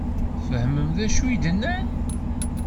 Tefhem d acu i d-nnan?